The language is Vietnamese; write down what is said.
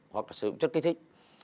hoặc là sử dụng chất kích thích